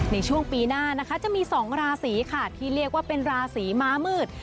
ในช่วงปีหน้านะคะจะมี๒ราศีค่ะที่เรียกว่าเป็นราศีม้ามืด